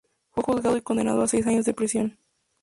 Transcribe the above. Fue juzgado y condenado a seis años de prisión.